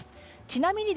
ちなみに